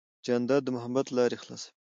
جانداد د محبت لارې خلاصوي.